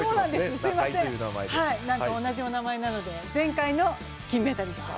同じお名前なので、前回の金メダリスト。